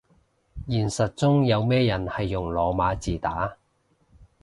現實中有咩人係用羅馬字打